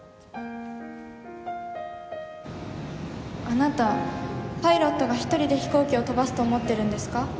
あなたパイロットが一人で飛行機を飛ばすと思ってるんですか？